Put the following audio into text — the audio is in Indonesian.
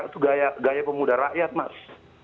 itu gaya pemuda rakyat mas